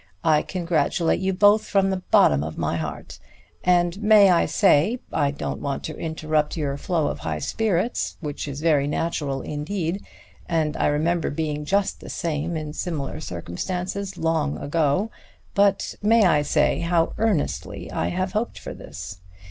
I congratulate you both from the bottom of my heart. And may I say I don't want to interrupt your flow of high spirits, which is very natural indeed, and I remember being just the same in similar circumstances long ago but may I say how earnestly I have hoped for this?